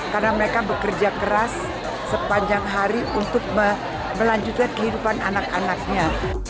karena mereka bekerja keras sepanjang hari untuk melanjutkan kehidupan anak anaknya